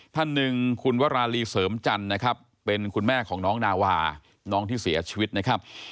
ท่านหนึ่งคุณวราลีเสริมจันทร์นะครับเป็นคุณแม่ของน้องนาวาน้องที่เสียชีวิตนะครับ